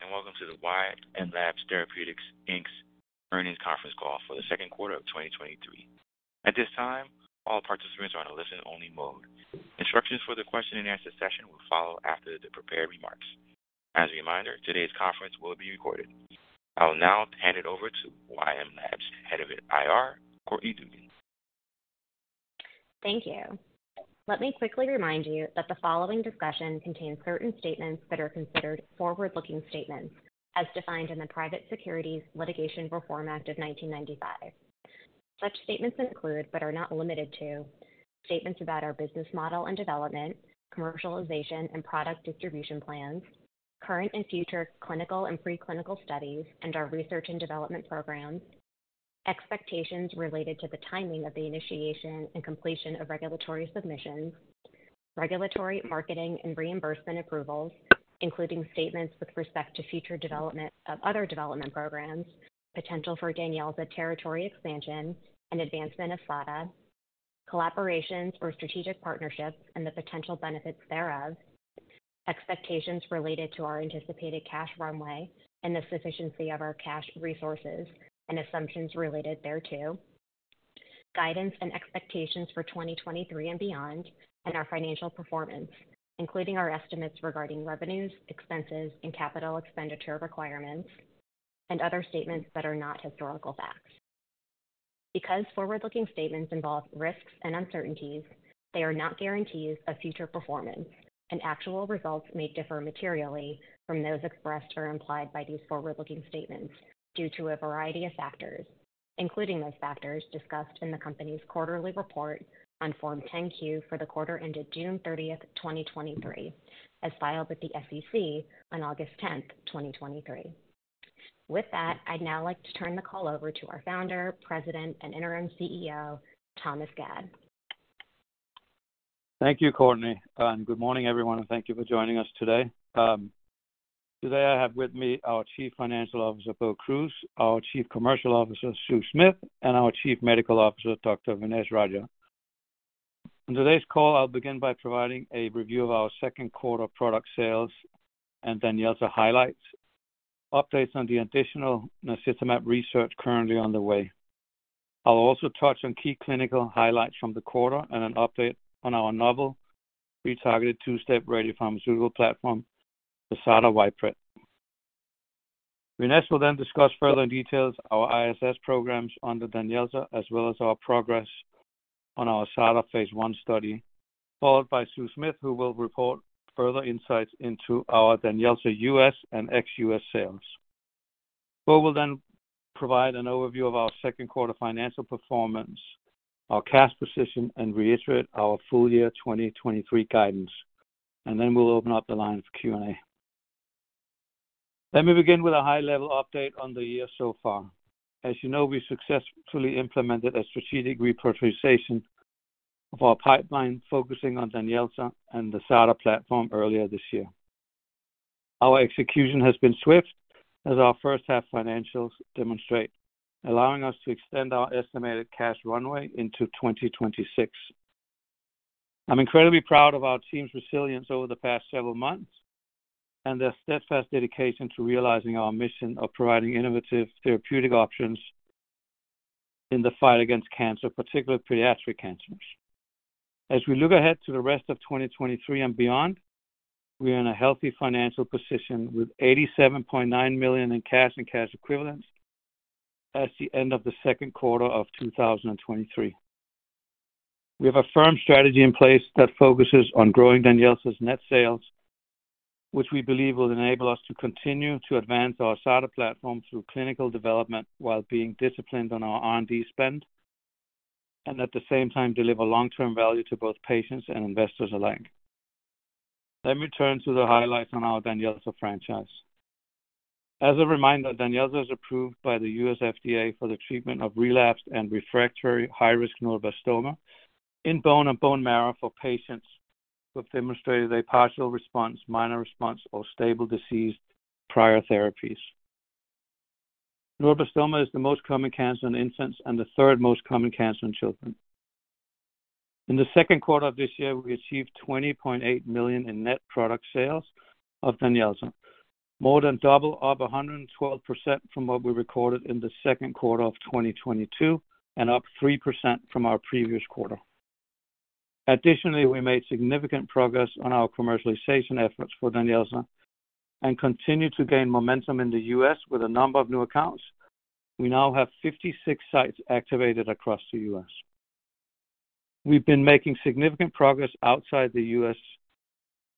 Welcome to the Y-mAbs Therapeutics Inc.'s earnings conference call for the 2Q 2023. At this time, all participants are on a listen-only mode. Instructions for the question and answer session will follow after the prepared remarks. As a reminder, today's conference will be recorded. I will now hand it over to Y-mAbs, Head of IR, Courtney Dugan. Thank you. Let me quickly remind you that the following discussion contains certain statements that are considered forward-looking statements, as defined in the Private Securities Litigation Reform Act of 1995. Such statements include, but are not limited to, statements about our business model and development, commercialization and product distribution plans, current and future clinical and preclinical studies, and our research and development programs, expectations related to the timing of the initiation and completion of regulatory submissions. Regulatory, marketing, and reimbursement approvals, including statements with respect to future development of other development programs, potential for DANYELZA territory expansion and advancement of SADA, collaborations or strategic partnerships, and the potential benefits thereof, expectations related to our anticipated cash runway and the sufficiency of our cash resources and assumptions related thereto, guidance and expectations for 2023 and beyond, and our financial performance, including our estimates regarding revenues, expenses, and capital expenditure requirements, and other statements that are not historical facts. Forward-looking statements involve risks and uncertainties, they are not guarantees of future performance, and actual results may differ materially from those expressed or implied by these forward-looking statements due to a variety of factors, including those factors discussed in the company's quarterly report on Form 10-Q for the quarter ended June 30th, 2023, as filed with the SEC on August 10th, 2023. With that, I'd now like to turn the call over to our Founder, President, and Interim CEO, Thomas Gad. Thank you, Courtney, and good morning, everyone, and thank you for joining us today. Today I have with me our Chief Financial Officer, Bo Kruse, our Chief Commercial Officer, Sue Smith, and our Chief Medical Officer, Dr. Vignesh Rajah. On today's call, I'll begin by providing a review of our second quarter product sales and DANYELZA highlights, updates on the additional naxitamab research currently underway. I'll also touch on key clinical highlights from the quarter and an update on our novel retargeted two-step radiopharmaceutical platform, the SADA PRIT. Vignesh will discuss further details our ISS programs under DANYELZA, as well as our progress on our SADA phase I study, followed by Sue Smith, who will report further insights into our DANYELZA US and ex-US sales. Bo will then provide an overview of our second quarter financial performance, our cash position, and reiterate our full year 2023 guidance, and then we'll open up the line for Q&A. Let me begin with a high-level update on the year so far. As you know, we successfully implemented a strategic prioritization of our pipeline, focusing on DANYELZA and the SADA platform earlier this year. Our execution has been swift, as our first half financials demonstrate, allowing us to extend our estimated cash runway into 2026. I'm incredibly proud of our team's resilience over the past several months and their steadfast dedication to realizing our mission of providing innovative therapeutic options in the fight against cancer, particularly pediatric cancers. As we look ahead to the rest of 2023 and beyond, we are in a healthy financial position with $87.9 million in cash and cash equivalents as the end of the second quarter of 2023. We have a firm strategy in place that focuses on growing DANYELZA's net sales, which we believe will enable us to continue to advance our SADA platform through clinical development while being disciplined on our R&D spend, and at the same time, deliver long-term value to both patients and investors alike. Let me turn to the highlights on our DANYELZA franchise. As a reminder, DANYELZA is approved by the U.S. FDA for the treatment of relapsed and refractory high-risk neuroblastoma in bone and bone marrow for patients who have demonstrated a partial response, minor response, or stable disease to prior therapies. Neuroblastoma is the most common cancer in infants and the third most common cancer in children. In the second quarter of this year, we achieved $20.8 million in net product sales of DANYELZA, more than double, up 112% from what we recorded in the second quarter of 2022, and up 3% from our previous quarter. Additionally, we made significant progress on our commercialization efforts for DANYELZA and continued to gain momentum in the U.S. with a number of new accounts. We now have 56 sites activated across the U.S. We've been making significant progress outside the U.S.,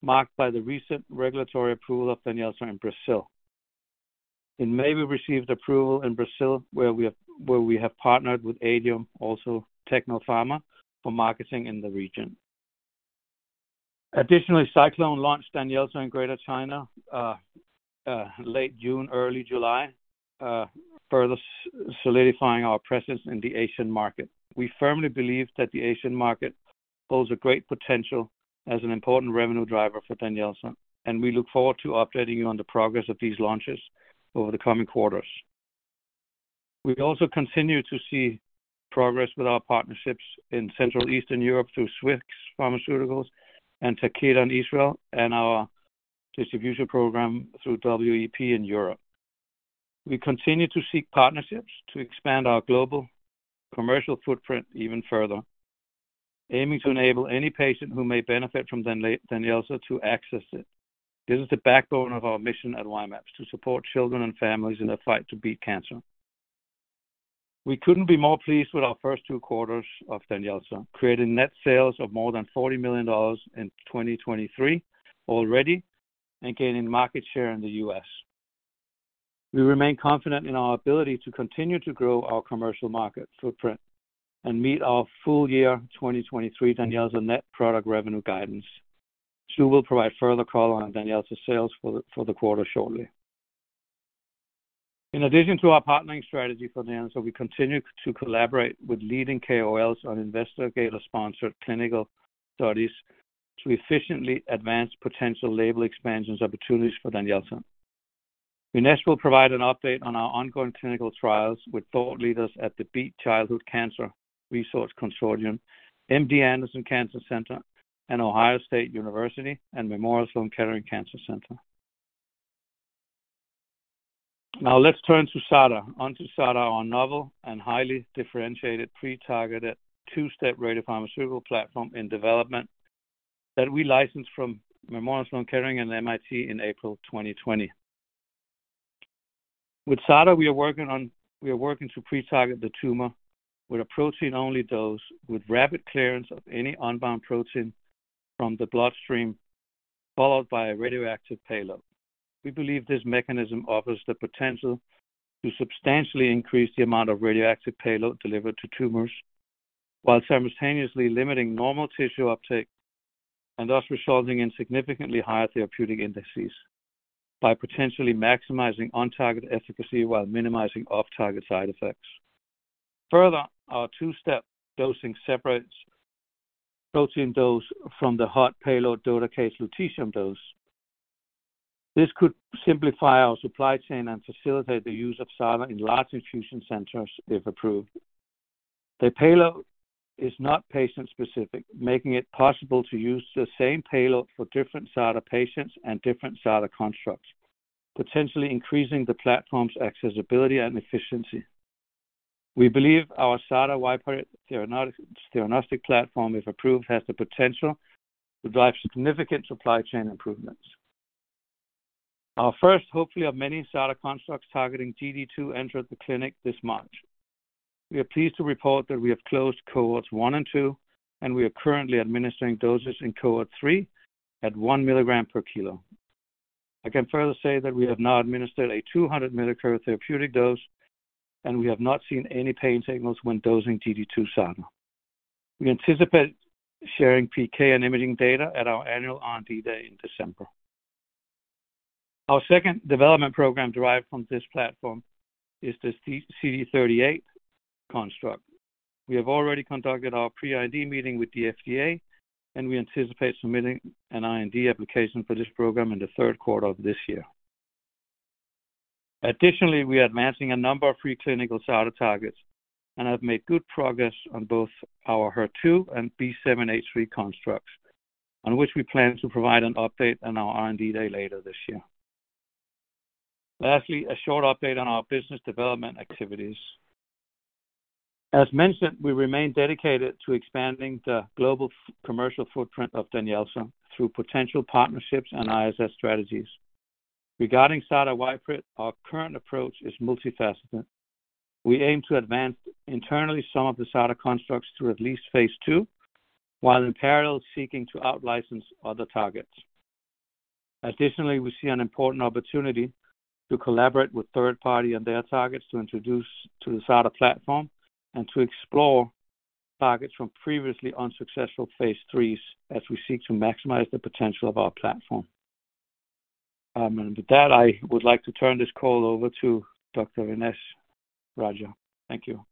marked by the recent regulatory approval of DANYELZA in Brazil. In May, we received approval in Brazil, where we have partnered with Adium, also Tecnofarma, for marketing in the region. Additionally, SciClone launched DANYELZA in Greater China, late June, early July, further solidifying our presence in the Asian market. We firmly believe that the Asian market holds a great potential as an important revenue driver for DANYELZA, and we look forward to updating you on the progress of these launches over the coming quarters. We also continue to see progress with our partnerships in Central Eastern Europe through Swixx BioPharma and Takeda in Israel, and our distribution program through WEP in Europe. We continue to seek partnerships to expand our global commercial footprint even further, aiming to enable any patient who may benefit from DANYELZA to access it. This is the backbone of our mission at Y-mAbs, to support children and families in their fight to beat cancer. We couldn't be more pleased with our first two quarters of DANYELZA, creating net sales of more than $40 million in 2023 already and gaining market share in the U.S. We remain confident in our ability to continue to grow our commercial market footprint and meet our full year 2023 DANYELZA net product revenue guidance. Sue will provide further color on DANYELZA's sales for the quarter shortly. In addition to our partnering strategy for DANYELZA, we continue to collaborate with leading KOLs on investigator-sponsored clinical studies to efficiently advance potential label expansions opportunities for DANYELZA. We next will provide an update on our ongoing clinical trials with thought leaders at the Beat Childhood Cancer Research Consortium, MD Anderson Cancer Center, The Ohio State University, and Memorial Sloan Kettering Cancer Center. Now, let's turn to SADA. On to SADA, our novel and highly differentiated pre-targeted, two-step radiopharmaceutical platform in development that we licensed from Memorial Sloan Kettering and MIT in April 2020. With SADA, we are working to pre-target the tumor with a protein-only dose, with rapid clearance of any unbound protein from the bloodstream, followed by a radioactive payload. We believe this mechanism offers the potential to substantially increase the amount of radioactive payload delivered to tumors, while simultaneously limiting normal tissue uptake, and thus resulting in significantly higher therapeutic indices by potentially maximizing on-target efficacy while minimizing off-target side effects. Further, our two-step dosing separates protein dose from the hot payload DOTA-chelated lutetium dose. This could simplify our supply chain and facilitate the use of SADA in large infusion centers, if approved. The payload is not patient-specific, making it possible to use the same payload for different SADA patients and different SADA constructs, potentially increasing the platform's accessibility and efficiency. We believe our SADA PRIT theranostic, theranostic platform, if approved, has the potential to drive significant supply chain improvements. Our first, hopefully of many SADA constructs targeting GD2, entered the clinic this March. We are pleased to report that we have closed cohorts 1 and 2, and we are currently administering doses in cohort 3 at 1 milligram per kilo. I can further say that we have now administered a 200-millicurie therapeutic dose, and we have not seen any pain signals when dosing GD2 SADA. We anticipate sharing PK and imaging data at our annual R&D Day in December. Our second development program derived from this platform is the CD38-SADA construct. We have already conducted our pre-IND meeting with the FDA, and we anticipate submitting an IND application for this program in the third quarter of this year. Additionally, we are advancing a number of pre-clinical SADA targets and have made good progress on both our HER2 and B7-H3 constructs, on which we plan to provide an update on our R&D Day later this year. Lastly, a short update on our business development activities. As mentioned, we remain dedicated to expanding the global commercial footprint of DANYELZA through potential partnerships and ISS strategies. Regarding SADA PRIT, our current approach is multifaceted. We aim to advance internally some of the SADA constructs to at least phase II, while in parallel, seeking to outlicense other targets. Additionally, we see an important opportunity to collaborate with third party and their targets to introduce to the SADA platform and to explore targets from previously unsuccessful phase IIIs as we seek to maximize the potential of our platform. With that, I would like to turn this call over to Dr. Vignesh Rajah. Thank you.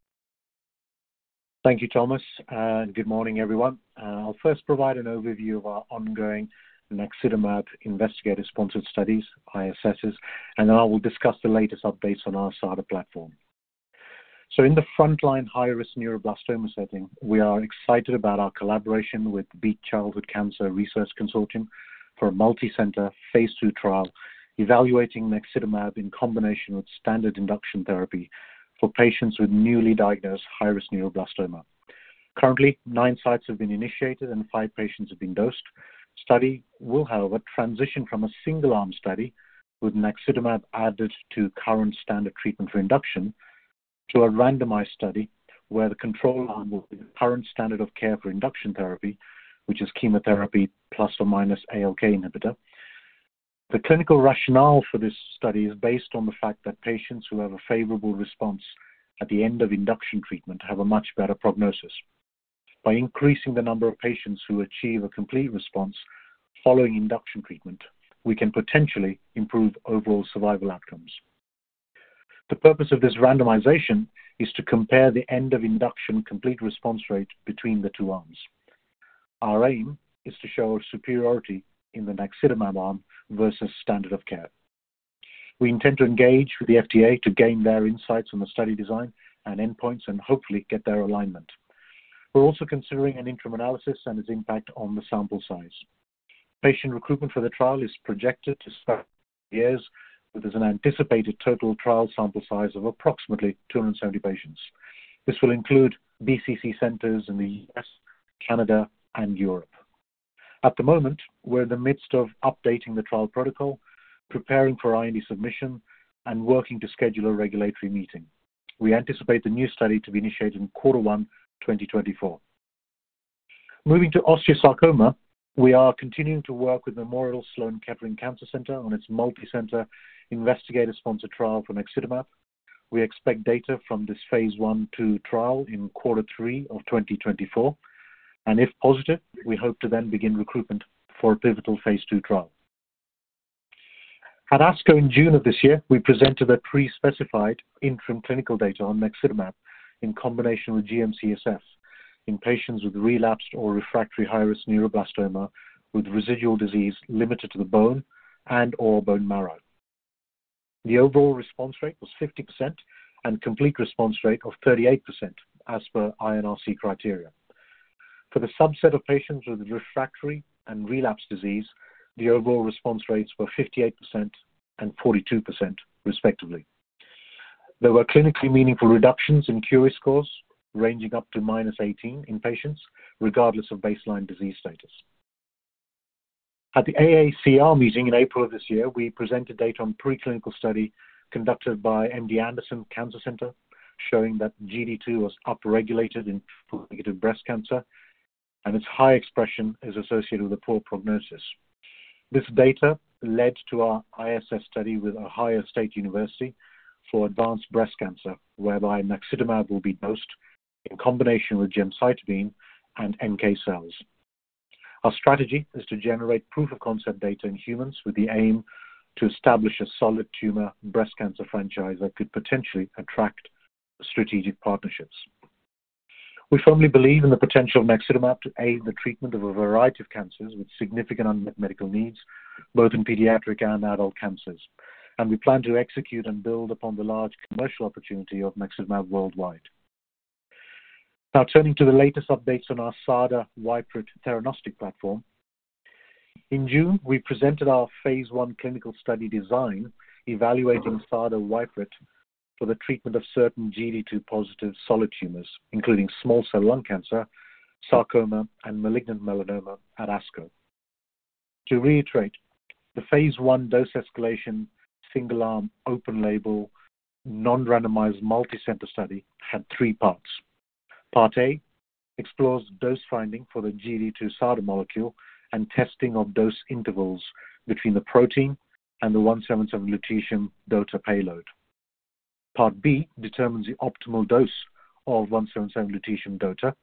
Thank you, Thomas, good morning, everyone. I'll first provide an overview of our ongoing naxitamab investigator-sponsored studies, ISS, then I will discuss the latest updates on our SADA platform. In the frontline high-risk neuroblastoma setting, we are excited about our collaboration with Beat Childhood Cancer Research Consortium for a multicenter phase II trial, evaluating naxitamab in combination with standard induction therapy for patients with newly diagnosed high-risk neuroblastoma. Currently, nine sites have been initiated, and five patients have been dosed. Study will, however, transition from a single-arm study with naxitamab added to current standard treatment for induction, to a randomized study where the control arm will be the current standard of care for induction therapy, which is chemotherapy plus or minus ALK inhibitor. The clinical rationale for this study is based on the fact that patients who have a favorable response at the end of induction treatment have a much better prognosis. By increasing the number of patients who achieve a complete response following induction treatment, we can potentially improve overall survival outcomes. The purpose of this randomization is to compare the end of induction complete response rate between the two arms. Our aim is to show superiority in the naxitamab arm versus standard of care. We intend to engage with the FDA to gain their insights on the study design and endpoints and hopefully get their alignment. We're also considering an interim analysis and its impact on the sample size. Patient recruitment for the trial is projected to start years, with an anticipated total trial sample size of approximately 270 patients. This will include BCC centers in the U.S., Canada, and Europe. At the moment, we're in the midst of updating the trial protocol, preparing for IND submission, and working to schedule a regulatory meeting. We anticipate the new study to be initiated in Quarter 1, 2024. Moving to osteosarcoma, we are continuing to work with Memorial Sloan Kettering Cancer Center on its multicenter investigator-sponsored trial for naxitamab. We expect data from this Phase I/II trial in Quarter 3 of 2024, and if positive, we hope to then begin recruitment for a pivotal Phase II trial. At ASCO in June of this year, we presented a pre-specified interim clinical data on naxitamab in combination with GM-CSF in patients with relapsed or refractory high-risk neuroblastoma with residual disease limited to the bone and/or bone marrow. The overall response rate was 50% and complete response rate of 38%, as per INRC criteria. For the subset of patients with refractory and relapsed disease, the overall response rates were 58% and 42%, respectively. There were clinically meaningful reductions in Curie scores, ranging up to -18 in patients, regardless of baseline disease status. At the AACR meeting in April of this year, we presented data on preclinical study conducted by MD Anderson Cancer Center, showing that GD2 was upregulated in formative breast cancer and its high expression is associated with a poor prognosis. This data led to our ISS study with Ohio State University for advanced breast cancer, whereby naxitamab will be dosed in combination with gemcitabine and NK cells. Our strategy is to generate proof of concept data in humans with the aim to establish a solid tumor breast cancer franchise that could potentially attract strategic partnerships. We firmly believe in the potential of naxitamab to aid the treatment of a variety of cancers with significant unmet medical needs, both in pediatric and adult cancers. We plan to execute and build upon the large commercial opportunity of naxitamab worldwide. Turning to the latest updates on our SADA PRIT theranostic platform. In June, we presented our phase I clinical study design, evaluating SADA PRIT for the treatment of certain GD2-positive solid tumors, including small cell lung cancer, sarcoma, and malignant melanoma at ASCO. To reiterate, the phase I dose escalation, single-arm, open-label, non-randomized, multicenter study had 3 parts. Part A explores dose finding for the GD2-SADA molecule and testing of dose intervals between the protein and the Lutetium-177 DOTA payload. Part B determines the optimal dose of Lutetium-177 DOTA,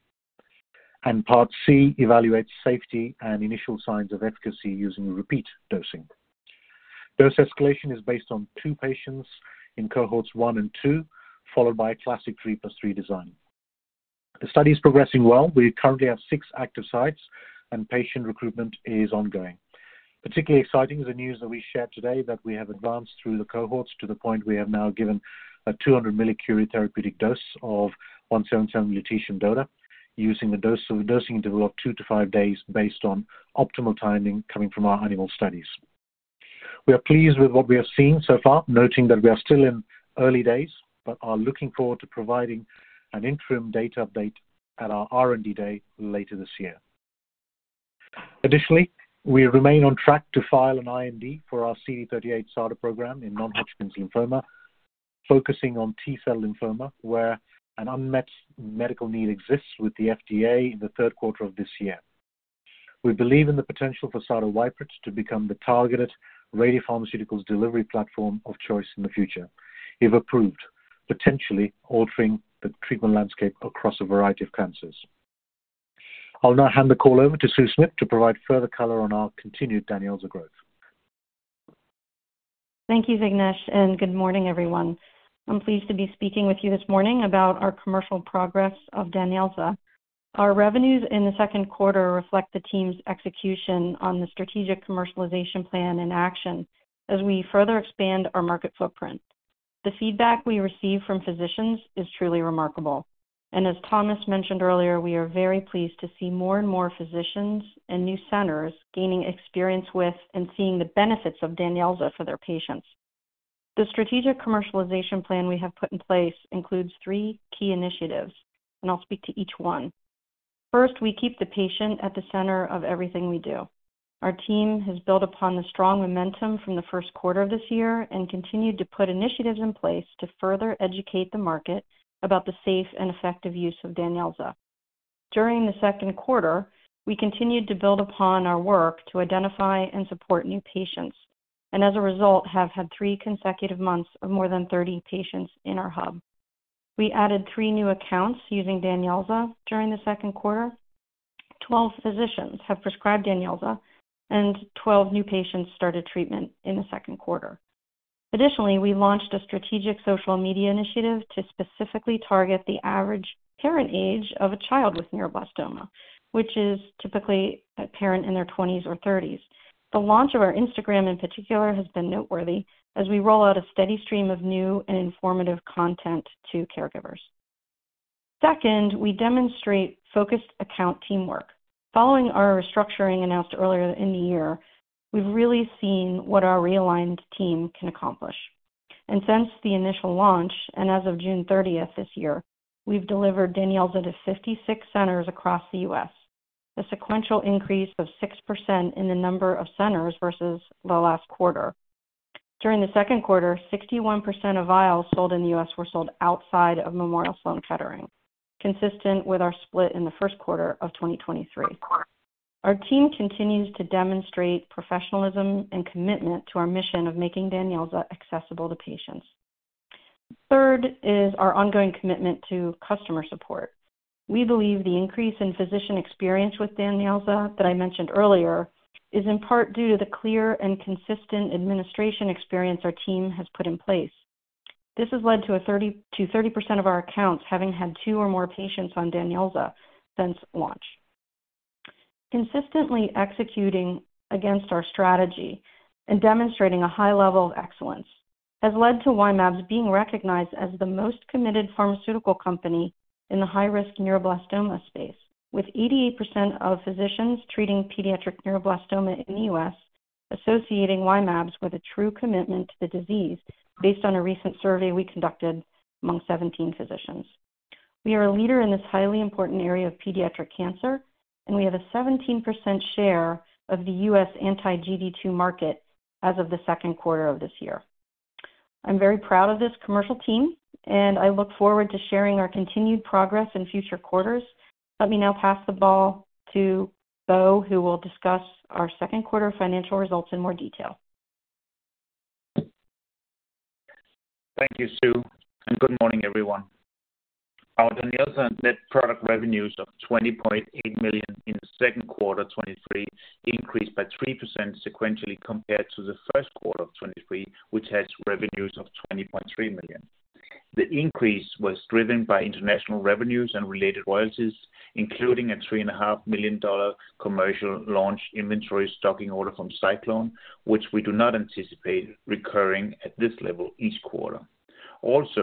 and Part C evaluates safety and initial signs of efficacy using repeat dosing. Dose escalation is based on two patients in cohorts one and two, followed by a classic three plus three design. The study is progressing well. We currently have six active sites, and patient recruitment is ongoing. Particularly exciting is the news that we share today, that we have advanced through the cohorts to the point we have now given a 200 millicurie therapeutic dose of Lutetium-177 DOTA, using the dose, of the dosing interval of 2 to 5 days based on optimal timing coming from our animal studies. We are pleased with what we have seen so far, noting that we are still in early days, but are looking forward to providing an interim data update at our R&D Day later this year. Additionally, we remain on track to file an IND for our CD38-SADA program in non-Hodgkin lymphoma, focusing on T-cell lymphoma, where an unmet medical need exists with the FDA in the third quarter of this year. We believe in the potential for SADA PRIT to become the targeted radiopharmaceuticals delivery platform of choice in the future, if approved, potentially altering the treatment landscape across a variety of cancers. I'll now hand the call over to Sue Smith to provide further color on our continued DANYELZA growth. Thank you, Vignesh, and good morning, everyone. I'm pleased to be speaking with you this morning about our commercial progress of DANYELZA. Our revenues in the second quarter reflect the team's execution on the strategic commercialization plan in action as we further expand our market footprint. The feedback we receive from physicians is truly remarkable, and as Thomas mentioned earlier, we are very pleased to see more and more physicians and new centers gaining experience with and seeing the benefits of DANYELZA for their patients. The strategic commercialization plan we have put in place includes three key initiatives, and I'll speak to each one. First, we keep the patient at the center of everything we do. Our team has built upon the strong momentum from the first quarter of this year and continued to put initiatives in place to further educate the market about the safe and effective use of DANYELZA. During the second quarter, we continued to build upon our work to identify and support new patients, and as a result, have had 3 consecutive months of more than 30 patients in our hub. We added 3 new accounts using DANYELZA during the second quarter. 12 physicians have prescribed DANYELZA, and 12 new patients started treatment in the second quarter. Additionally, we launched a strategic social media initiative to specifically target the average parent age of a child with neuroblastoma, which is typically a parent in their 20s or 30s. The launch of our Instagram, in particular, has been noteworthy as we roll out a steady stream of new and informative content to caregivers. Second, we demonstrate focused account teamwork. Following our restructuring announced earlier in the year, we've really seen what our realigned team can accomplish. Since the initial launch, as of June 30th this year, we've delivered DANYELZA to 56 centers across the U.S., a sequential increase of 6% in the number of centers versus the last quarter. During the second quarter, 61% of vials sold in the U.S. were sold outside of Memorial Sloan Kettering, consistent with our split in the first quarter of 2023. Our team continues to demonstrate professionalism and commitment to our mission of making DANYELZA accessible to patients. Third is our ongoing commitment to customer support. We believe the increase in physician experience with DANYELZA, that I mentioned earlier, is in part due to the clear and consistent administration experience our team has put in place. This has led to a thirty-- to 30% of our accounts having had two or more patients on DANYELZA since launch. Consistently executing against our strategy and demonstrating a high level of excellence, has led to Y-mAbs being recognized as the most committed pharmaceutical company in the high-risk neuroblastoma space, with 88% of physicians treating pediatric neuroblastoma in the U.S. associating Y-mAbs with a true commitment to the disease, based on a recent survey we conducted among 17 physicians. We are a leader in this highly important area of pediatric cancer, and we have a 17% share of the U.S. anti-GD2 market as of the second quarter of this year. I'm very proud of this commercial team, and I look forward to sharing our continued progress in future quarters. Let me now pass the ball to Bo, who will discuss our second quarter financial results in more detail. Thank you, Sue, and good morning, everyone. Our DANYELZA net product revenues of $20.8 million in the second quarter of 2023 increased by 3% sequentially compared to the first quarter of 2023, which has revenues of $20.3 million. The increase was driven by international revenues and related royalties, including a $3.5 million commercial launch inventory stocking order from SciClone, which we do not anticipate recurring at this level each quarter. The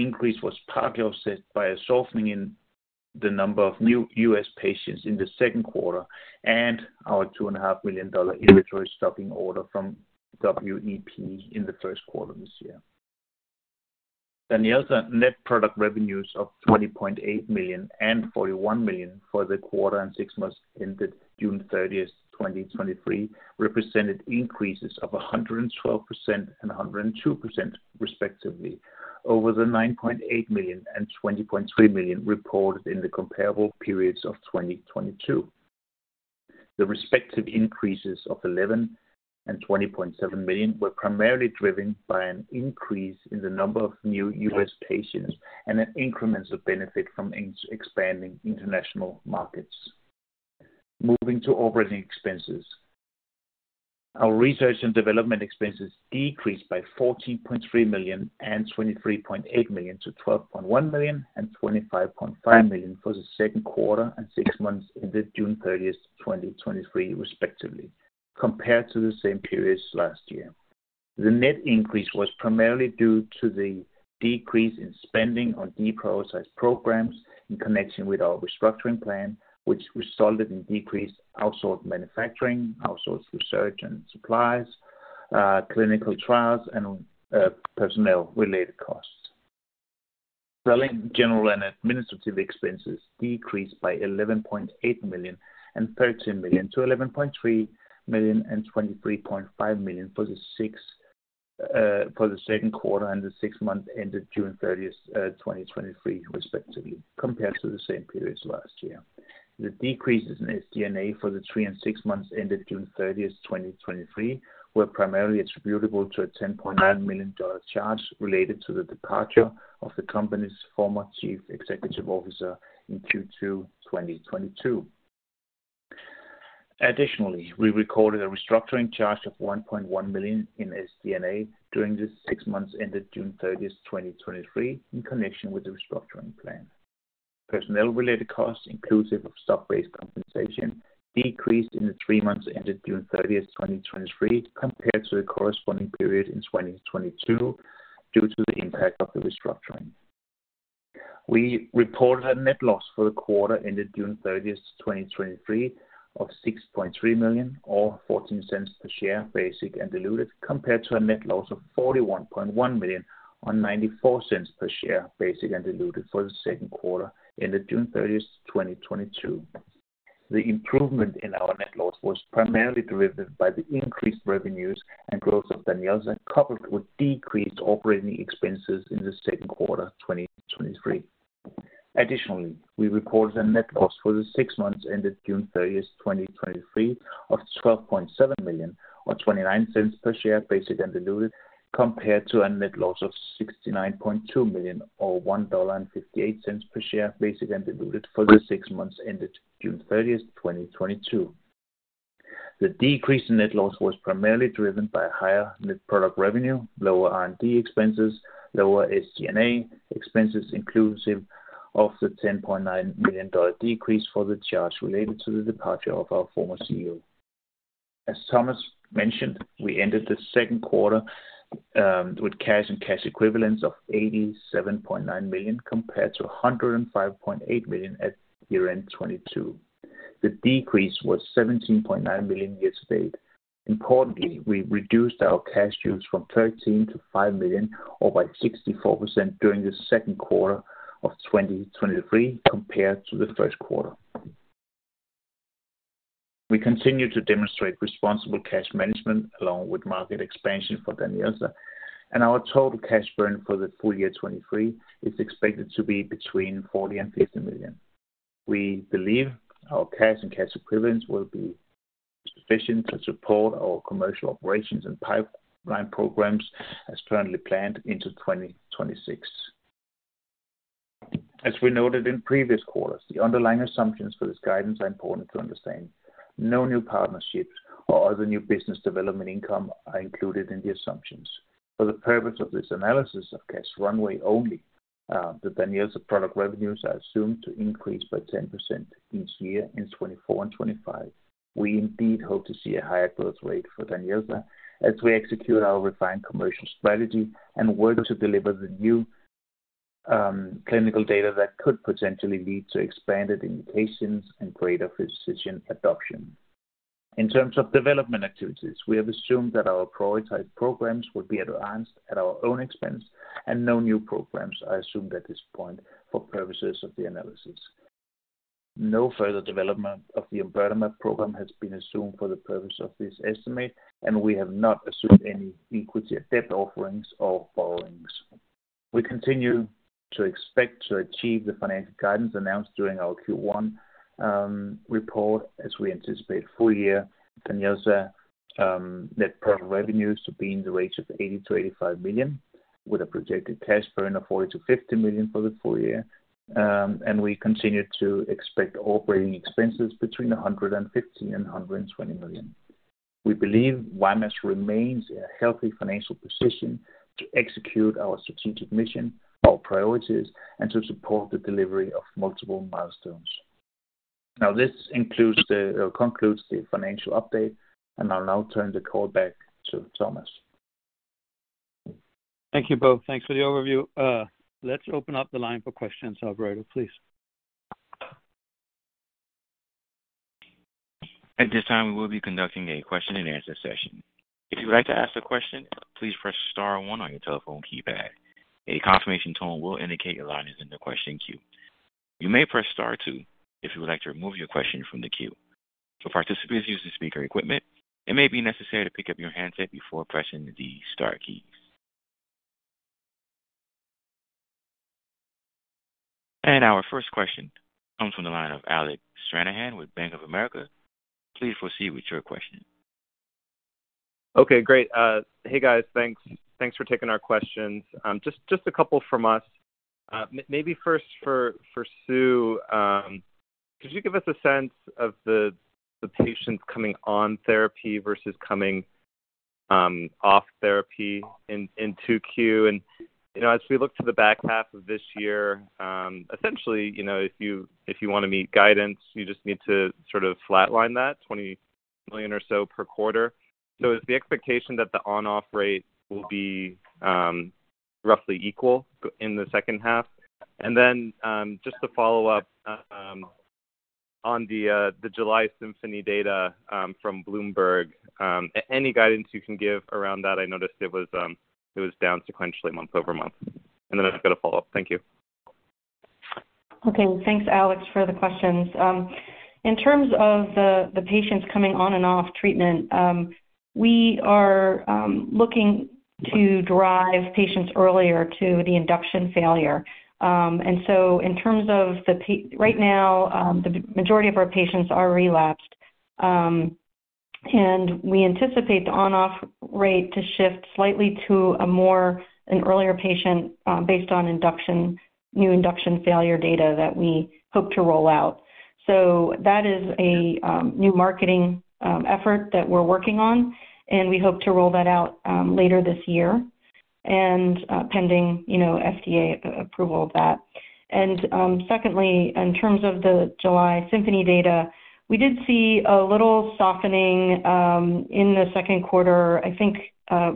increase was partly offset by a softening in the number of new U.S. patients in the second quarter and our $2.5 million inventory stocking order from WEP in the first quarter this year. DANYELZA net product revenues of $20.8 million and $41 million for the quarter and 6 months ended June 30, 2023, represented increases of 112% and 102%, respectively, over the $9.8 million and $20.3 million reported in the comparable periods of 2022. The respective increases of $11 million and $20.7 million were primarily driven by an increase in the number of new US patients and an incremental benefit from expanding international markets. Moving to operating expenses. Our research and development expenses decreased by $14.3 million and $23.8 million to $12.1 million and $25.5 million for the second quarter and 6 months ended June 30, 2023, respectively, compared to the same periods last year. The net increase was primarily due to the decrease in spending on deprioritized programs in connection with our restructuring plan, which resulted in decreased outsourced manufacturing, outsourced research and supplies, clinical trials, and personnel-related costs. Related general and administrative expenses decreased by $11.8 million and $13 million to $11.3 million and $23.5 million for the second quarter and the 6 months ended June 30th, 2023, respectively, compared to the same periods last year. The decreases in SG&A for the 3 and 6 months ended June 30th, 2023, were primarily attributable to a $10.9 million charge related to the departure of the company's former Chief Executive Officer in Q2 2022. Additionally, we recorded a restructuring charge of $1.1 million in SG&A during the six months ended June 30th, 2023, in connection with the restructuring plan. Personnel-related costs, inclusive of stock-based compensation, decreased in the three months ended June 30th, 2023, compared to the corresponding period in 2022, due to the impact of the restructuring. We reported a net loss for the quarter ended June 30th, 2023, of $6.3 million or $0.14 per share, basic and diluted, compared to a net loss of $41.1 million on $0.94 per share, basic and diluted, for the second quarter ended June 30th, 2022. The improvement in our net loss was primarily driven by the increased revenues and growth of DANYELZA, coupled with decreased operating expenses in the second quarter of 2023. Additionally, we reported a net loss for the six months ended June 30, 2023, of $12.7 million or $0.29 per share, basic and diluted, compared to a net loss of $69.2 million or $1.58 per share, basic and diluted, for the six months ended June 30, 2022. The decrease in net loss was primarily driven by higher net product revenue, lower R&D expenses, lower SG&A expenses, inclusive of the $10.9 million decrease for the charge related to the departure of our former CEO. As Thomas mentioned, we ended the second quarter with cash and cash equivalents of $87.9 million, compared to $105.8 million at year-end 2022. The decrease was $17.9 million years to date. Importantly, we reduced our cash use from $13 million to $5 million, or by 64%, during the second quarter of 2023 compared to the first quarter. We continue to demonstrate responsible cash management along with market expansion for DANYELZA, and our total cash burn for the full year 2023 is expected to be between $40 million and $50 million. We believe our cash and cash equivalents will be sufficient to support our commercial operations and pipeline programs as currently planned into 2026. As we noted in previous quarters, the underlying assumptions for this guidance are important to understand. No new partnerships or other new business development income are included in the assumptions. For the purpose of this analysis of cash runway only, the DANYELZA product revenues are assumed to increase by 10% each year in 2024 and 2025. We indeed hope to see a higher growth rate for DANYELZA as we execute our refined commercial strategy and work to deliver the new clinical data that could potentially lead to expanded indications and greater physician adoption. In terms of development activities, we have assumed that our prioritized programs will be advanced at our own expense and no new programs are assumed at this point for purposes of the analysis. No further development of the omburtamab program has been assumed for the purpose of this estimate, and we have not assumed any equity or debt offerings or borrowings. We continue to expect to achieve the financial guidance announced during our Q1 report, as we anticipate full-year DANYELZA net product revenues to be in the range of $80 million-$85 million, with a projected cash burn of $40 million-$50 million for the full year. We continue to expect operating expenses between $150 million and $120 million. We believe Y-mAbs remains in a healthy financial position to execute our strategic mission, our priorities, and to support the delivery of multiple milestones. Now, this concludes the financial update, and I'll now turn the call back to Thomas Gad. Thank you, Bo. Thanks for the overview. Let's open up the line for questions, operator, please. At this time, we will be conducting a question-and-answer session. If you would like to ask a question, please press star one on your telephone keypad. A confirmation tone will indicate your line is in the question queue. You may press star two if you would like to remove your question from the queue. For participants using speaker equipment, it may be necessary to pick up your handset before pressing the star keys. Our first question comes from the line of Alec Stranahan with Bank of America. Please proceed with your question. Okay, great. Hey, guys. Thanks. Thanks for taking our questions. Just, just a couple from us. May- maybe first for, for Sue. Could you give us a sense of the, the patients coming on therapy versus coming off therapy in, in 2Q? You know, as we look to the back half of this year, essentially, you know, if you, if you want to meet guidance, you just need to sort of flatline that $20 million or so per quarter. Is the expectation that the on/off rate will be roughly equal g- in the second half? Just to follow up on the, the July Symphony data from Bloomberg, a- any guidance you can give around that? I noticed it was, it was down sequentially, month-over-month. I've got a follow-up. Thank you. Okay, well, thanks, Alec, for the questions. In terms of the patients coming on and off treatment, we are looking to drive patients earlier to the induction failure. In terms of right now, the majority of our patients are relapsed, and we anticipate the on/off rate to shift slightly to a more, an earlier patient, based on induction, new induction failure data that we hope to roll out. That is a new marketing effort that we're working on, and we hope to roll that out later this year, and pending, you know, FDA approval of that. Secondly, in terms of the July Symphony data, we did see a little softening in the second quarter. I think,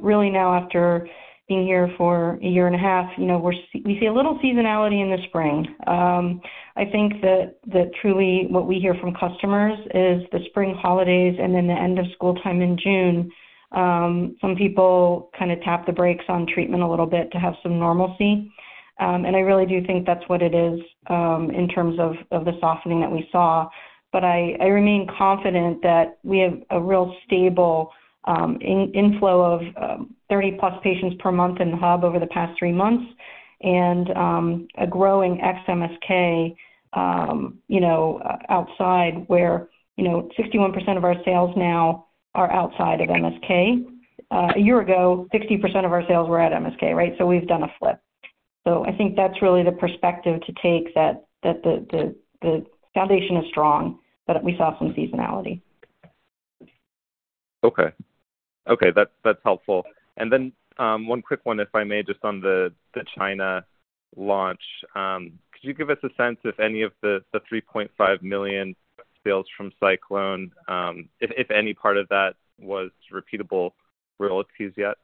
really now after being here for a year and a half, you know, we see a little seasonality in the spring. I think that, that truly what we hear from customers is the spring holidays and then the end of school time in June, some people kind of tap the brakes on treatment a little bit to have some normalcy. I really do think that's what it is, in terms of, of the softening that we saw. I, I remain confident that we have a real stable, inflow of 30-plus patients per month in the hub over the past 3 months and, a growing ex MSK, you know, outside where, you know, 61% of our sales now are outside of MSK. A year ago, 60% of our sales were at MSK, right? We've done a flip. I think that's really the perspective to take, that, that the, the, the foundation is strong, but we saw some seasonality. Okay. Okay, that's, that's helpful. Then, one quick one, if I may, just on the China launch. Could you give us a sense if any of the, the $3.5 million sales from SciClone, if, if any part of that was repeatable royalties yet?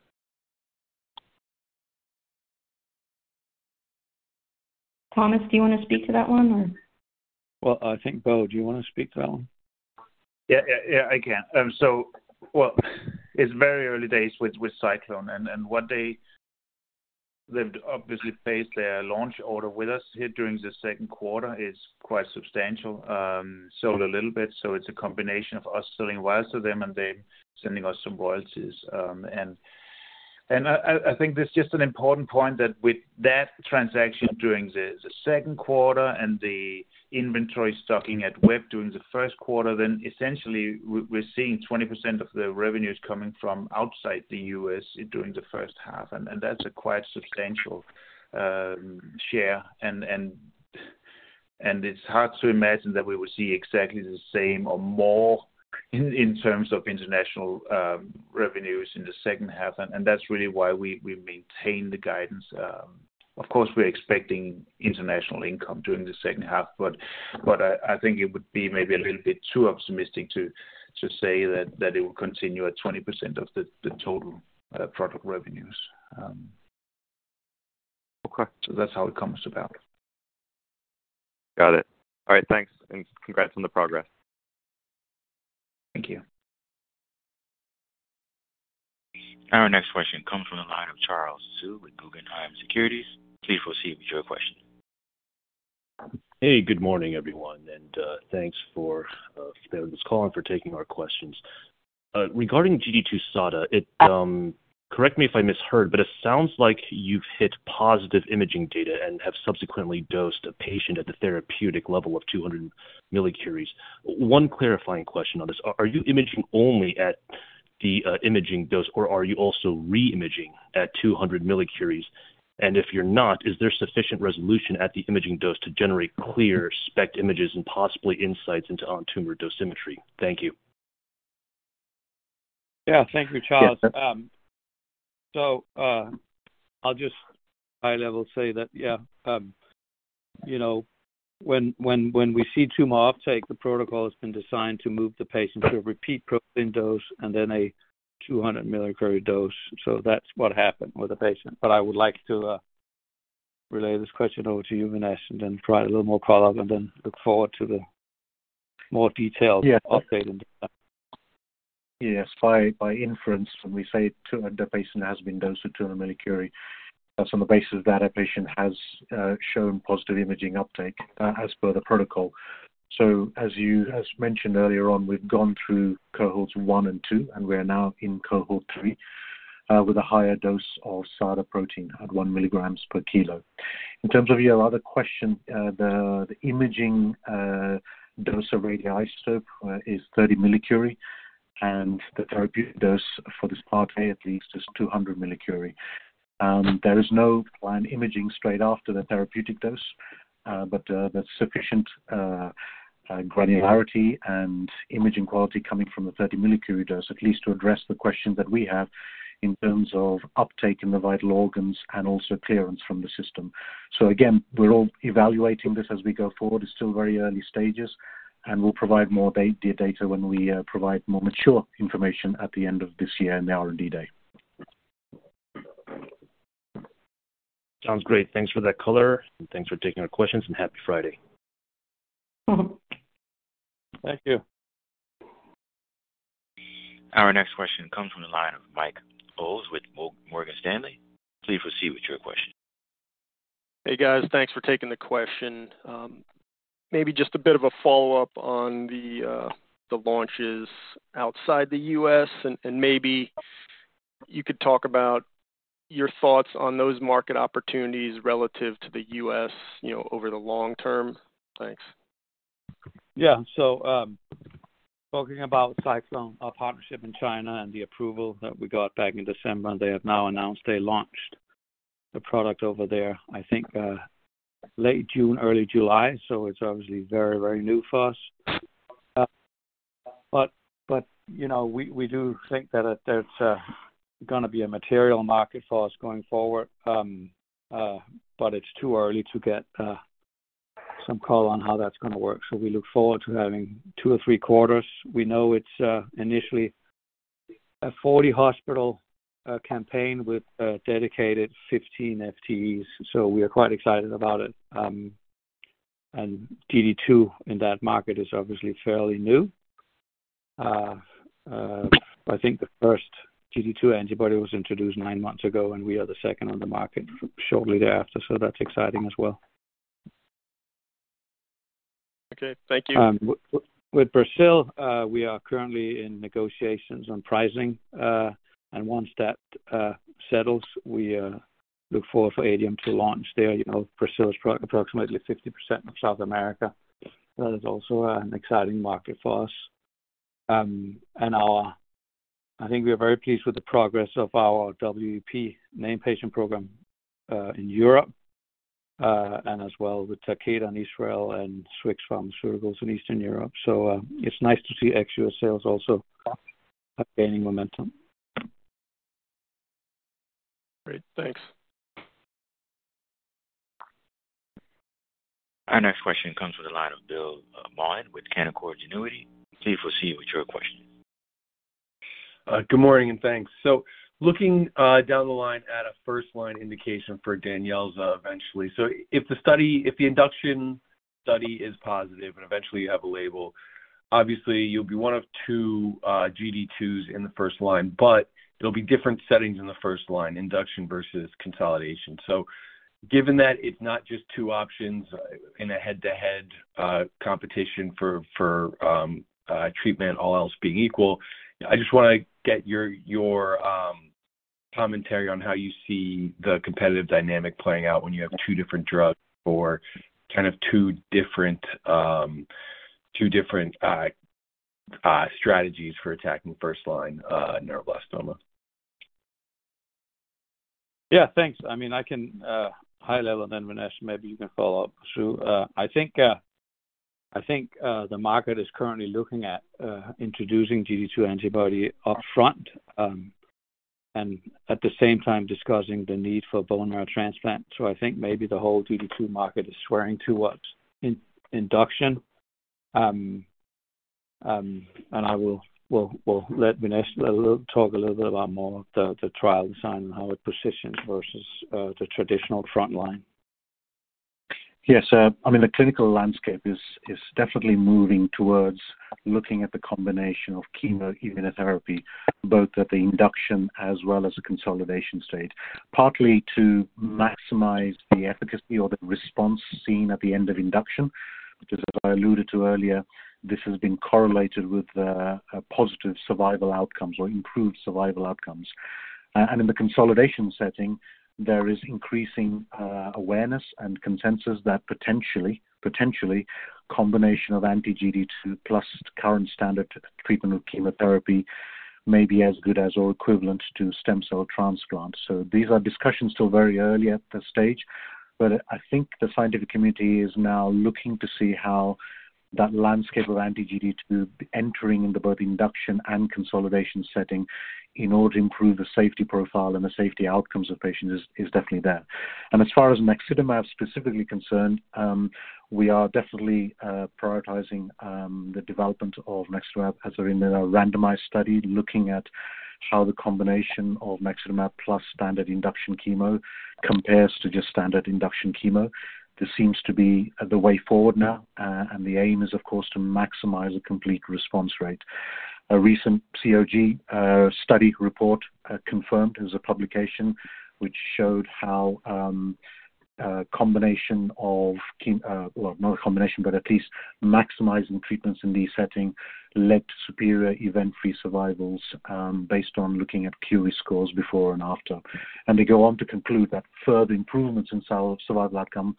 Thomas, do you want to speak to that one, or? Well, I think, Bo, do you want to speak to that one? Yeah, yeah, yeah, I can. Well, it's very early days with, with SciClone, and what they've obviously placed their launch order with us here during the second quarter. It's quite substantial, sold a little bit, so it's a combination of us selling wires to them and them sending us some royalties. I think this is just an important point, that with that transaction during the second quarter and the inventory stocking at WEP during the first quarter, then essentially, we're seeing 20% of the revenues coming from outside the U.S. during the first half, and that's a quite substantial share. It's hard to imagine that we will see exactly the same or more in, in terms of international revenues in the second half. That's really why we maintain the guidance. Of course, we're expecting international income during the second half, I think it would be maybe a little bit too optimistic to say that it will continue at 20% of the total product revenues. Okay. That's how it comes about. Got it. All right, thanks, and congrats on the progress. Thank you. Our next question comes from the line of Charles Zhu with Guggenheim Securities. Please proceed with your question. Hey, good morning, everyone, and thanks for spending this call and for taking our questions. Regarding GD2 SADA, it... Correct me if I misheard, but it sounds like you've hit positive imaging data and have subsequently dosed a patient at the therapeutic level of 200 millicuries. One clarifying question on this, are you imaging only at the imaging dose, or are you also re-imaging at 200 millicuries? If you're not, is there sufficient resolution at the imaging dose to generate clear SPECT images and possibly insights into on-tumor dosimetry? Thank you. Yeah. Thank you, Charles. I'll just high level say that, yeah, you know, when, when, when we see tumor uptake, the protocol has been designed to move the patient to a repeat protein dose and then a 200 millicurie dose. That's what happened with the patient. I would like to relay this question over to you, Vignesh, and then provide a little more follow-up, and then look forward to the more detailed- Yeah. Update on that. Yes, by, by inference, when we say 200, the patient has been dosed at 200 millicurie. That's on the basis that a patient has shown positive imaging uptake as per the protocol. As mentioned earlier on, we've gone through cohorts one and two, and we are now in cohort three with a higher dose of SADA protein at one milligrams per kilo. In terms of your other question, the imaging dose of radioisotope is 30 millicurie, and the therapeutic dose for this Part A at least, is 200 millicurie. There is no planned imaging straight after the therapeutic dose, but that's sufficient granularity and imaging quality coming from the 30 millicurie dose, at least to address the question that we have in terms of uptake in the vital organs and also clearance from the system. Again, we're all evaluating this as we go forward. It's still very early stages, and we'll provide more data when we provide more mature information at the end of this year and our R&D day. Sounds great. Thanks for that color, and thanks for taking our questions, and happy Friday. Thank you. Our next question comes from the line of Mike Ulz with Morgan Stanley. Please proceed with your question. Hey, guys. Thanks for taking the question. Maybe just a bit of a follow-up on the launches outside the U.S., and maybe you could talk about your thoughts on those market opportunities relative to the U.S., you know, over the long term. Thanks. Yeah. Talking about SciClone, our partnership in China and the approval that we got back in December, and they have now announced they launched the product over there, I think, late June, early July. It's obviously very, very new for us. But, you know, we, we do think that it there's gonna be a material market for us going forward. It's too early to get some call on how that's gonna work, so we look forward to having two or three quarters. We know it's initially a 40-hospital campaign with a dedicated 15 FTEs, so we are quite excited about it. GD2 in that market is obviously fairly new. I think the first GD2 antibody was introduced 9 months ago, and we are the second on the market shortly thereafter, so that's exciting as well. Okay. Thank you. With Brazil, we are currently in negotiations on pricing, and once that settles, we look forward for Adium to launch there. You know, Brazil is approximately 50% of South America. That is also an exciting market for us. I think we are very pleased with the progress of our WEP named patient program in Europe, and as well with Takeda in Israel and Swixx BioPharma in Eastern Europe. It's nice to see ex-US sales also gaining momentum. Great. Thanks. Our next question comes from the line of Bill Maughan with Canaccord Genuity. Please proceed with your question. Good morning, and thanks. Looking down the line at a first-line indication for DANYELZA eventually. If the study, if the induction study is positive and eventually you have a label, obviously you'll be one of two GD2s in the first line, but there'll be different settings in the first line, induction versus consolidation. Given that it's not just two options in a head-to-head competition for treatment, all else being equal, I just wanna get your commentary on how you see the competitive dynamic playing out when you have two different drugs for kind of two different, two different strategies for attacking first-line neuroblastoma. Yeah, thanks. I mean, I can, high level, then Vignesh, maybe you can follow up, Sue. I think, I think, the market is currently looking at, introducing GD2 antibody upfront, and at the same time discussing the need for bone marrow transplant. I think maybe the whole GD2 market is swearing towards induction. I will let Vignesh talk a little bit about more of the, the trial design and how it positions versus, the traditional frontline. Yes, I mean, the clinical landscape is, is definitely moving towards looking at the combination of chemoimmunotherapy, both at the induction as well as the consolidation stage, partly to maximize the efficacy or the response seen at the end of induction, which, as I alluded to earlier, this has been correlated with a positive survival outcomes or improved survival outcomes. In the consolidation setting, there is increasing awareness and consensus that potentially, potentially combination of anti-GD2 plus current standard treatment with chemotherapy may be as good as, or equivalent to stem cell transplant. These are discussions still very early at the stage, but I think the scientific community is now looking to see how that landscape of anti-GD2 entering into both induction and consolidation setting in order to improve the safety profile and the safety outcomes of patients is, is definitely there. As far as naxitamab specifically concerned, we are definitely prioritizing the development of naxitamab as in a randomized study, looking at how the combination of naxitamab plus standard induction chemo compares to just standard induction chemo. This seems to be the way forward now, and the aim is, of course, to maximize a complete response rate. A recent COG study report confirmed, it was a publication which showed how a combination of well, not a combination, but at least maximizing treatments in these setting led to superior event-free survival based on looking at Curie scores before and after. They go on to conclude that further improvements in survival outcome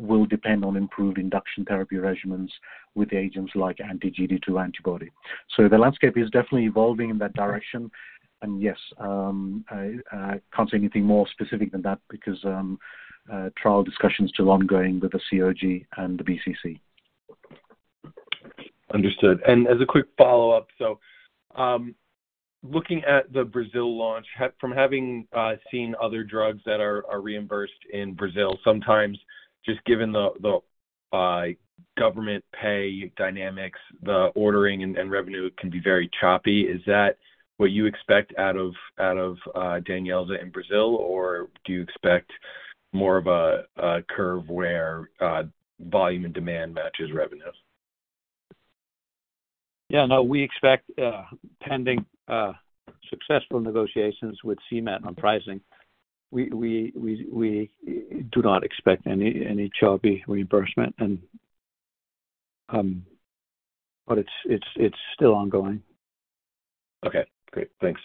will depend on improved induction therapy regimens with agents like anti-GD2 antibody. The landscape is definitely evolving in that direction. Yes, I, I can't say anything more specific than that because trial discussions still ongoing with the COG and the BCC. As a quick follow-up, looking at the Brazil launch, from having seen other drugs that are reimbursed in Brazil, sometimes just given the government pay dynamics, the ordering and revenue can be very choppy. Is that what you expect out of DANYELZA in Brazil, or do you expect more of a curve where volume and demand matches revenues? Yeah, no, we expect, pending successful negotiations with CMED on pricing. We do not expect any choppy reimbursement and... It's still ongoing. Okay, great. Thanks.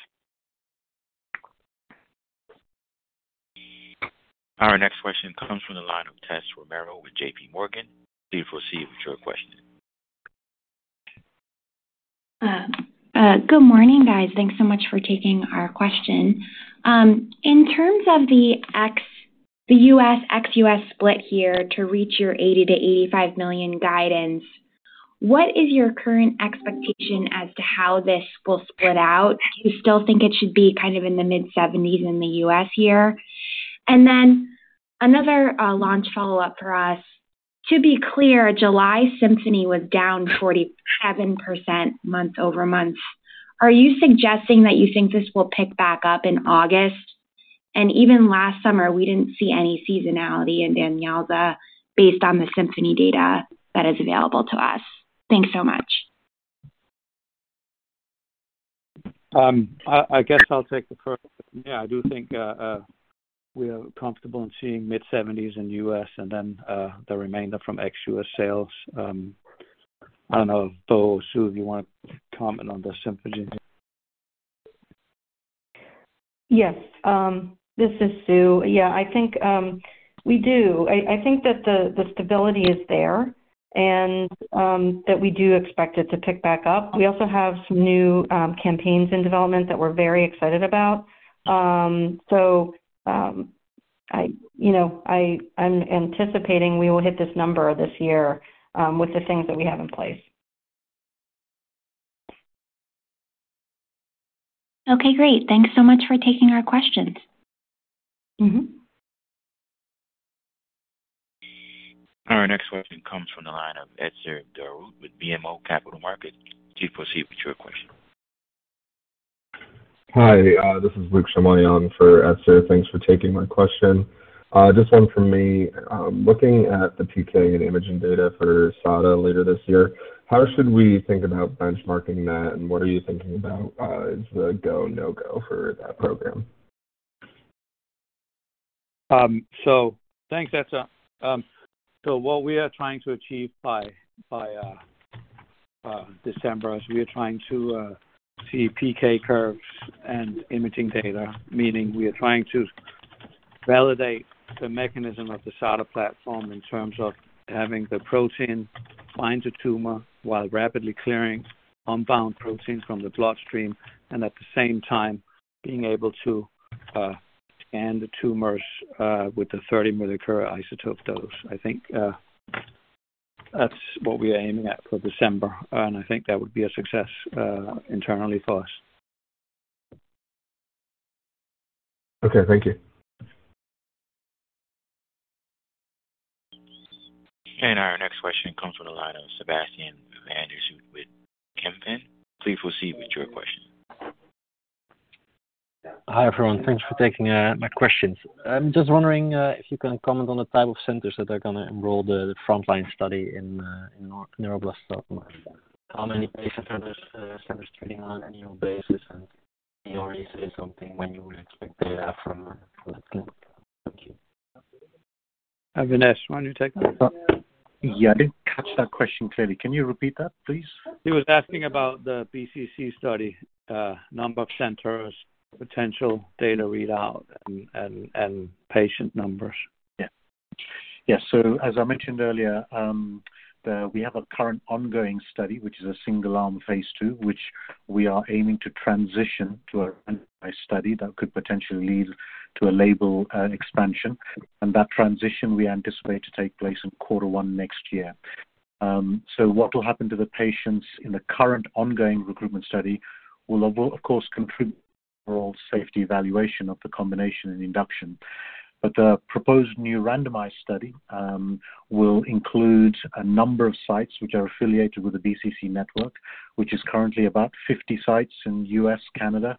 Our next question comes from the line of Tessa Romero with JPMorgan. Please proceed with your question. Good morning, guys. Thanks so much for taking our question. In terms of the ex-US split here to reach your $80 million-$85 million guidance, what is your current expectation as to how this will split out? Do you still think it should be kind of in the mid-$70 million in the U.S. here? Then another launch follow-up for us. To be clear, July Symphony was down 47% month-over-month. Are you suggesting that you think this will pick back up in August? Even last summer, we didn't see any seasonality in DANYELZA based on the Symphony data that is available to us. Thanks so much. I, I guess I'll take the first. Yeah, I do think, we are comfortable in seeing mid-70s in U.S. and then, the remainder from ex-U.S. sales. I don't know, Bo, Sue, if you want to comment on the Symphony? Yes, this is Sue. Yeah, I think, we do. I, I think that the, the stability is there, and, that we do expect it to pick back up. We also have some new, campaigns in development that we're very excited about. I, you know, I'm anticipating we will hit this number this year, with the things that we have in place. Okay, great. Thanks so much for taking our questions. Mm-hmm. Our next question comes from the line of Etzer Darout with BMO Capital Markets. Please proceed with your question. Hi, this is Luke Shumway for Etzer. Thanks for taking my question. Just one from me. Looking at the PK and imaging data for SADA later this year, how should we think about benchmarking that, and what are you thinking about as the go, no-go for that program? Thanks, Etzer. What we are trying to achieve by, by December, is we are trying to see PK curves and imaging data, meaning we are trying to validate the mechanism of the SADA platform in terms of having the protein bind the tumor while rapidly clearing unbound proteins from the bloodstream, and at the same time being able to scan the tumors with the 30 millicurie isotope dose. I think that's what we are aiming at for December, and I think that would be a success internally for us. Okay, thank you. Our next question comes from the line of Sebastiaan van der Schoot with Kempen. Please proceed with your question. Hi, everyone. Thanks for taking my questions. I'm just wondering if you can comment on the type of centers that are gonna enroll the frontline study in neuroblastoma. How many patients are those centers treating on annual basis? Is something when you would expect data from that clinic? Thank you. Vignesh, why don't you take that? Yeah, I didn't catch that question clearly. Can you repeat that, please? He was asking about the BCC study, number of centers, potential data readout and, and, and patient numbers. Yeah. Yes, as I mentioned earlier, We have a current ongoing study, which is a single-arm phase II, which we are aiming to transition to a randomized study that could potentially lead to a label expansion, and that transition we anticipate to take place in quarter one next year. What will happen to the patients in the current ongoing recruitment study will, of course, contribute overall safety evaluation of the combination and induction. The proposed new randomized study will include a number of sites which are affiliated with the BCC network, which is currently about 50 sites in U.S., Canada,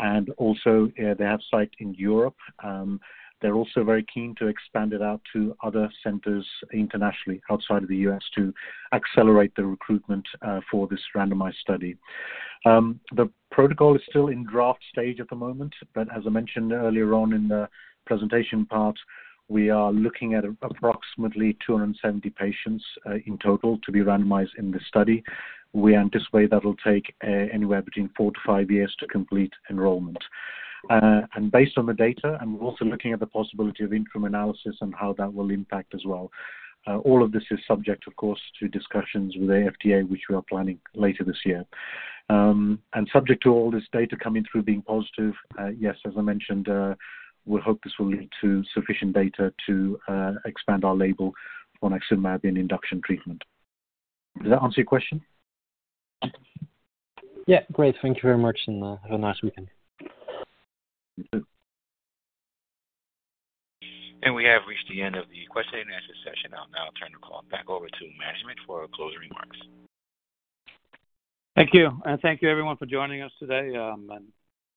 and also, they have sites in Europe. They're also very keen to expand it out to other centers internationally outside of the U.S. to accelerate the recruitment for this randomized study. The protocol is still in draft stage at the moment, but as I mentioned earlier on in the presentation part, we are looking at approximately 270 patients in total to be randomized in this study. We anticipate that will take anywhere between 4-5 years to complete enrollment. Based on the data, and we're also looking at the possibility of interim analysis and how that will impact as well. All of this is subject, of course, to discussions with the FDA, which we are planning later this year. Subject to all this data coming through being positive, yes, as I mentioned, we hope this will lead to sufficient data to expand our label on naxitamab in induction treatment. Does that answer your question? Yeah, great. Thank you very much, and have a nice weekend. Thank you. We have reached the end of the question and answer session. I'll now turn the call back over to management for closing remarks. Thank you. Thank you, everyone, for joining us today,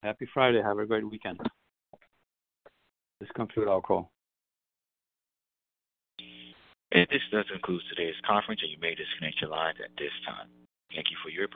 Happy Friday. Have a great weekend. This conclude our call. This does conclude today's conference, and you may disconnect your lines at this time. Thank you for your participation.